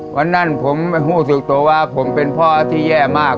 วันนั้นผมรู้สึกตัวว่าผมเป็นพ่อที่แย่มาก